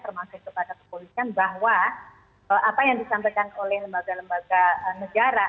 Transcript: termasuk kepada kepolisian bahwa apa yang disampaikan oleh lembaga lembaga negara